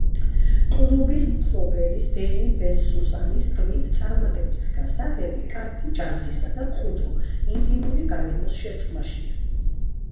კლუბის მფლობელის დენი ბენსუსანის თქმით, წარმატების გასაღები კარგი ჯაზისა და მყუდრო, ინტიმური გარემოს შერწყმაშია.